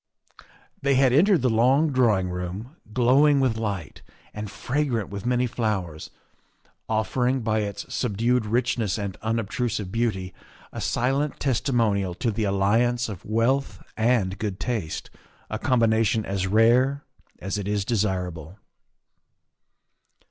'' They had entered the long drawing room, glowing with light and fragrant with many flowers, offering by its subdued richness and unobtrusive beauty a silent testimonial to the alliance of wealth and good taste a combination as rare as it is desirable.